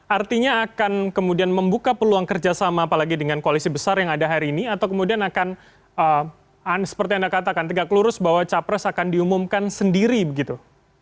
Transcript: artinya akan kemudian membuka peluang kerjasama apalagi dengan koalisi besar yang ada hari ini atau kemudian akan seperti anda katakan tegak lurus bahwa capres akan diumumkan sendiri begitu